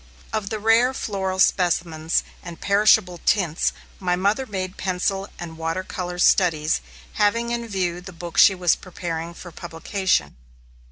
Of the rare floral specimens and perishable tints, my mother made pencil and water color studies, having in view the book she was preparing for publication.